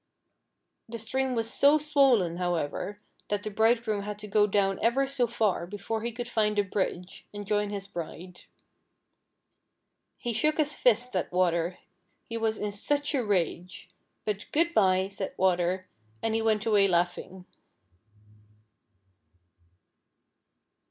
The stream was so swollen, however, that the Bride groom had to go down ever so far before he could find a bridge, and join his bride. He shook his fist at Water, he was in such a rage, but " Good bye," said Water, and he went away laughing.